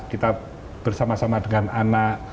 kita bersama sama dengan anak